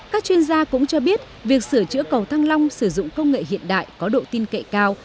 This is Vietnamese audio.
các chuyên gia cũng cho biết việc sửa chữa cầu thăng long sử dụng công nghệ hiện đại có độ tin cậy cao